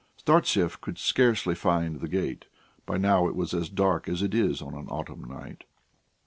Startsev could scarcely find the gate by now it was as dark as it is on an autumn night.